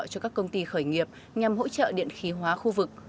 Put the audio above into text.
cho các công ty khởi nghiệp nhằm hỗ trợ điện khí hóa khu vực